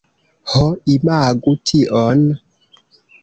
Ho, imagu tion!